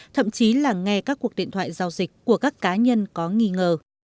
thậm chí là nghe các cuộc điện thoại giao dịch của các cá nhân có nghi ngờ